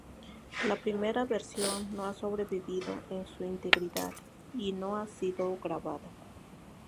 La primera versión no ha sobrevivido en su integridad, y no ha sido grabada.